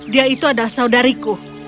dia itu adalah saudariku